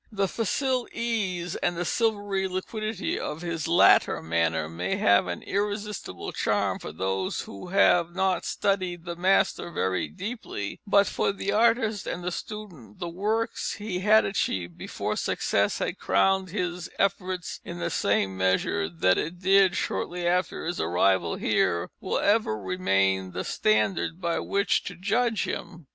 The facile ease and silvery liquidity of his latter manner may have an irresistible charm for those who have not studied the master very deeply, but for the artist and the student the works he had achieved, before success had crowned his efforts in the same measure that it did shortly after his arrival here, will ever remain the standard by which to judge him.